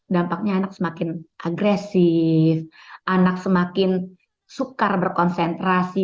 dampaknya anak semakin agresif anak semakin sukar berkonsentrasi